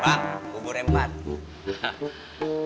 bang kubur yang empat